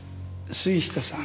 杉下さん。